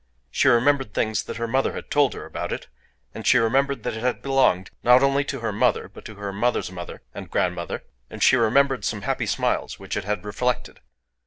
She remembered things that her mother had told her about it; and she remembered that it had belonged, not only to her mother but to her mother's mother and grandmother; and she remembered some happy smiles which it had reflected.